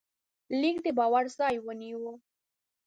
لیک د باور ځای ونیو.